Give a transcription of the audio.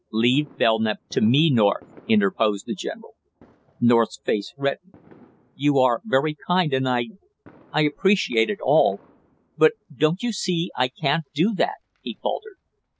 "Leave Belknap to me, North!" interposed the general. North's face reddened. "You are very kind, and I I appreciate it all, but don't you see I can't do that?" he faltered.